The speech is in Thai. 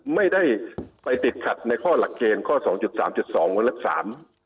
ไม่ได้ไปติดขัดในข้อหลักเกณฑ์ข้อ๒๓๒วันละ๓